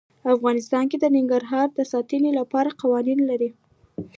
افغانستان د ننګرهار د ساتنې لپاره قوانین لري.